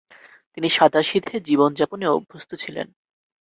তিনি সাদাসিধে জীবন যাপনে অভ্যস্ত ছিলেন।